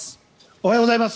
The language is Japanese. おはようございます。